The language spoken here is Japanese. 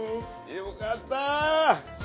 ・よかった！